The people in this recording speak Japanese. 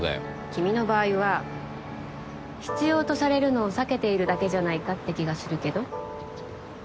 君の場合は必要とされるのを避けているだけじゃないかって気がするけど？